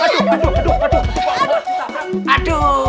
aduh aduh aduh aduh